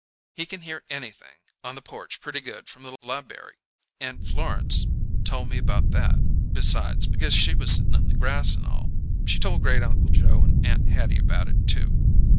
He can hear anything on the porch pretty good from the lib'ary; and Florence told me about that, besides, because she was sittin' in the grass and all. She told Great Uncle Joe and Aunt Hattie about it, too."